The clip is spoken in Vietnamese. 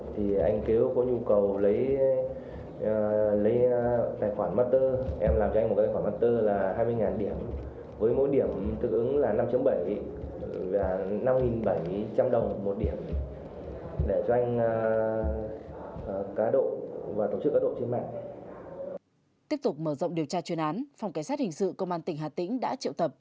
tiếp tục mở rộng điều tra chuyên án phòng cảnh sát hình sự công an tỉnh hà tĩnh đã triệu tập